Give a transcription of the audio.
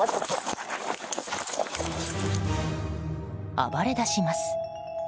暴れ出します。